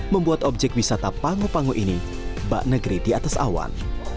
membuat objek wisata pangu pangu ini bak negeri di atas awan